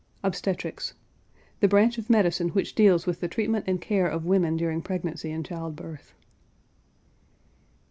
OBSTETRICS. The branch of medicine which deals with the treatment and care of women during pregnancy and child birth.